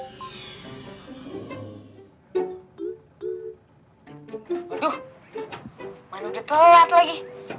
aduh mana udah telat lagi